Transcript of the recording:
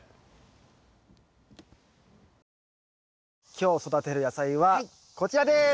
今日育てる野菜はこちらです。